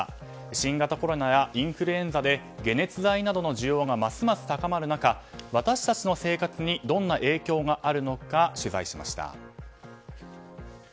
新型コロナやインフルエンザで解熱剤などの需要がますます高まる中私たちの生活にどんな影響があるのか取材しました。